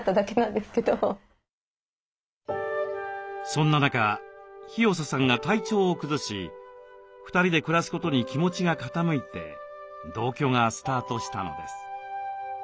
そんな中ひよささんが体調を崩し２人で暮らすことに気持ちが傾いて同居がスタートしたのです。